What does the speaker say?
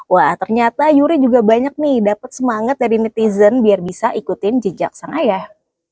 wah ternyata yuri juga banyak nih dapat semangat dari netizen biar bisa ikutin jejak sang ayah